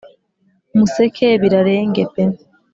museke birarenge peee!